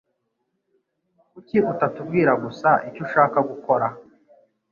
Kuki utatubwira gusa icyo ushaka gukora?